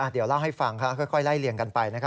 เดี๋ยวเล่าให้ฟังค่ะค่อยไล่เลี่ยงกันไปนะครับ